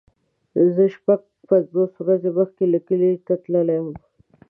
زه شپږ پنځوس ورځې مخکې کلی ته تللی وم.